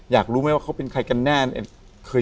อยากรู้ไหมว่าเขาเป็นใครกันแน่